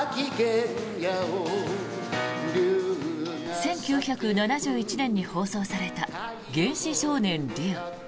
１９７１年に放送された「原始少年リュウ」。